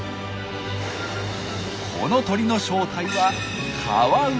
この鳥の正体はカワウ。